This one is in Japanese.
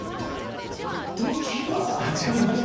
あっ同桂でした。